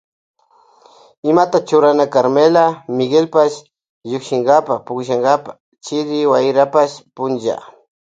Imata churana Carmela Miguelpash llukshinkapa pukllankapa chiri wayrapash punlla.